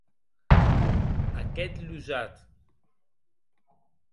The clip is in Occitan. Aqueth losat!